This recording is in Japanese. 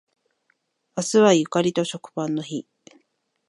明日はゆかりと食パンの日